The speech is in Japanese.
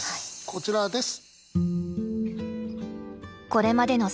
こちらです。